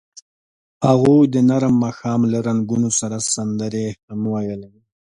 هغوی د نرم ماښام له رنګونو سره سندرې هم ویلې.